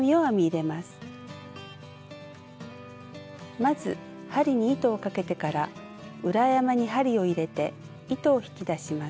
まず針に糸をかけてから裏山に針を入れて糸を引き出します。